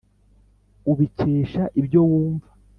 ubikesha ibyo wumva